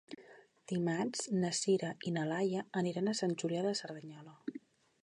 Dimarts na Sira i na Laia aniran a Sant Julià de Cerdanyola.